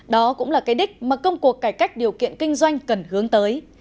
đó cũng là cái đích mà công cuộc cải cách điều kiện kinh doanh cần hướng tới